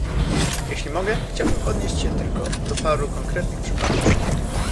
Jeśli mogę, chciałbym odnieść się tylko do paru konkretnych przypadków